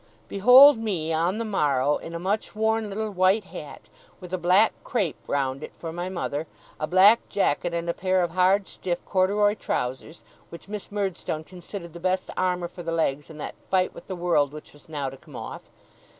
Behold me, on the morrow, in a much worn little white hat, with a black crape round it for my mother, a black jacket, and a pair of hard, stiff corduroy trousers which Miss Murdstone considered the best armour for the legs in that fight with the world which was now to come off.